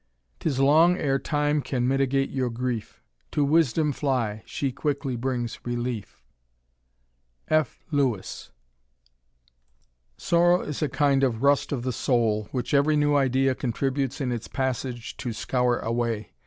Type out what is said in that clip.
*Tis long ere time can mitigate your grief; To wisdom fly, she quickly brings reliet" F. Lewis. THE RAMBLER. 6g Sorrow is a kind of rust of the soul, which every new idea contribules in its passage to scour away.